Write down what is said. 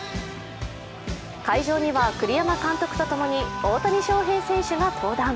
会場には栗山監督とともに大谷翔平選手が登壇。